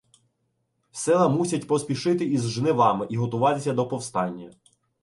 Села мусять поспішити із жнивами і готуватися до повстання.